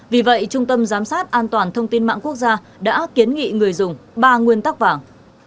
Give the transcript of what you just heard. vì vậy trung tâm giám sát an toàn thông tin mạng quốc gia đã kiến nghị người dùng ba nguyên tắc vàng